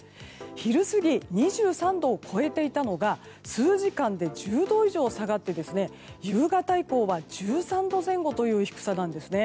昼過ぎ２３度を超えていたのが数時間で１０度以上下がって夕方以降は１３度前後という低さです。